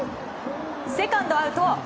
セカンド、アウト。